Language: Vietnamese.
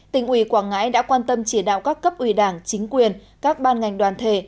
tỉnh ủy quảng ngãi đã quan tâm chỉ đạo các cấp ủy đảng chính quyền các ban ngành đoàn thể